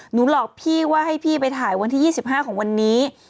หลอกพี่ว่าให้พี่ไปถ่ายวันที่๒๕ของวันนี้